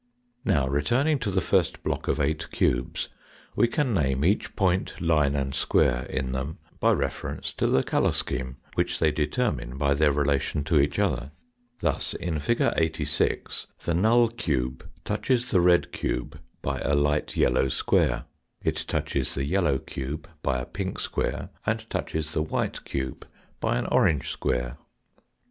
Now returning to the first block of eight cubes we can name each point, line, and square in them by reference to the colour scheme, which they determine by their relation to each other. Thus, in fig. 86, the null cube touches the red cube by Fig. 85. NOMENCLATURE AND ANALOGIES 143 a light yellow square; it touches the yellow cube by a pink square, and touches the white cube by an orange square.